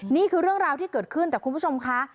นี่คือเรื่องราวที่เกิดขึ้นแต่คุณผู้ชมคะ